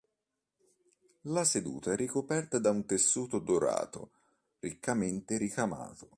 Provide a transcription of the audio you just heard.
La seduta è ricoperta da un tessuto dorato riccamente ricamato.